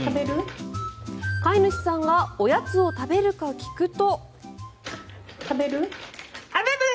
飼い主さんがおやつを食べるか聞くと。